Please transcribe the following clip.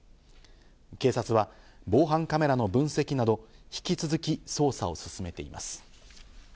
警察は防犯カメラの分析など、引き続き捜査を進めています。